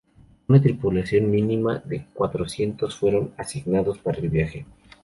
Una tripulación mínima de cuatrocientos fueron asignados para el viaje.